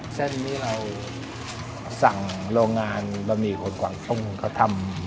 เส้นนี้เราสั่งโรงงานบะหมี่คนกวางตุ้งเขาทำ